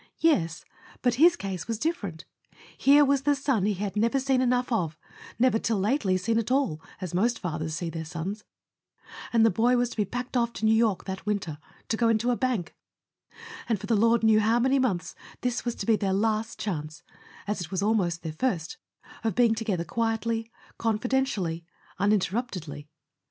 Yes— but his case was different. .. Here was the son he had never seen enough of, never till lately seen at all as most fathers see their sons; and the boy was to be packed off to New York that winter, to go into a bank; and for the Lord knew how many months this was to be their last chance, as it was almost their first, of being together quietly, confidentially, uninterruptedly.